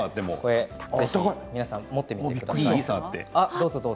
皆さん、持ってみてください。